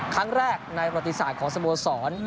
ครั้งแรกในประติศาสตร์ของสโมสร